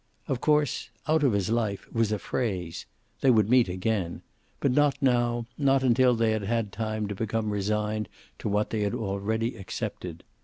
Of course "out of his life" was a phrase. They would meet again. But not now, not until they had had time to become resigned to what they had already accepted.